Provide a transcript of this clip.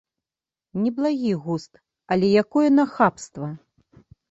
Неблагі густ, але якое нахабства!